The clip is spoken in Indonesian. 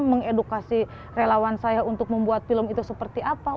mengedukasi relawan saya untuk membuat film itu seperti apa